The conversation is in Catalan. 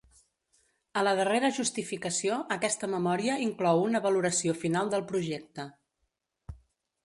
A la darrera justificació aquesta memòria inclou una valoració final del projecte.